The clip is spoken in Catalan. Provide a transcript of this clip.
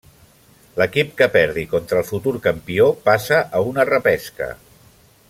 L'equip que perdi contra el futur campió passa a una repesca.